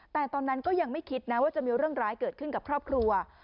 แต่ตอนนั้นก็ยังไม่คิดนะว่าจะมีเรื่องร้ายเกิดขึ้นกับครอบครัว